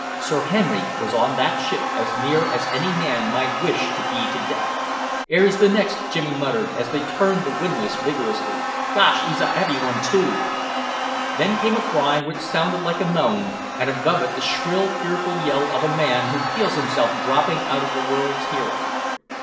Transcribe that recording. Sir Henry was on that ship as near as any man might wish to be to death. "'Ere's the next," Jimmy muttered, as they turned the windlass vigorously. "Gosh, 'e's a heavy one, too!" Then came a cry which sounded like a moan and above it the shrill fearful yell of a man who feels himself dropping out of the world's hearing.